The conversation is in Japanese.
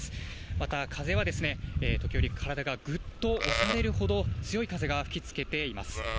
また風はですね、時折体がぐっと押されるほど強い風が吹きつけています。